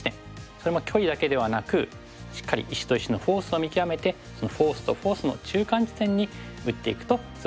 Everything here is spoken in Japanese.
それも距離だけではなくしっかり石と石のフォースを見極めてそのフォースとフォースの中間地点に打っていくとすごくいいかなと。